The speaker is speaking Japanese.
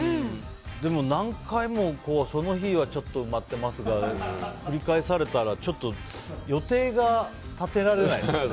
でも、何回もその日はちょっと埋まってますが繰り返されたら、ちょっと予定が立てられないですよね。